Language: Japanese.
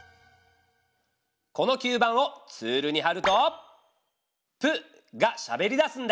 この吸盤をツールにはると「プ」がしゃべりだすんだ。